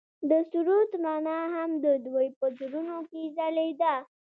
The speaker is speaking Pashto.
د سرود رڼا هم د دوی په زړونو کې ځلېده.